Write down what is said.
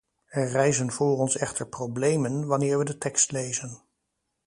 Er rijzen voor ons echter problemen, wanneer we de tekst lezen.